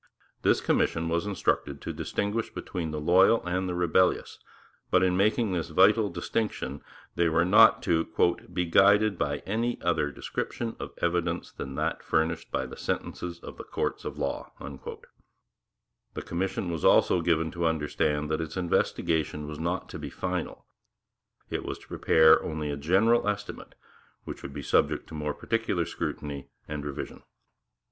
This commission was instructed to distinguish between the loyal and the rebellious, but, in making this vital distinction, they were not to 'be guided by any other description of evidence than that furnished by the sentences of the courts of law.' The commission was also given to understand that its investigation was not to be final. It was to prepare only a 'general estimate' which would be subject to more particular scrutiny and revision.